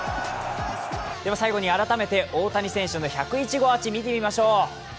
最後に改めて大谷選手の１０１号アーチ、見てみましょう。